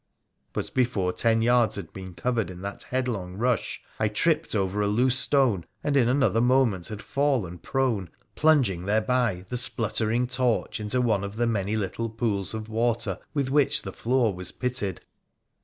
But before ten yards had been covered in that headlong rush, I tripped over a loose stone, and in another moment had fallen prone, plunging, thereby, the spluttering torch into one of the many little pools of water with which the floor was pitted.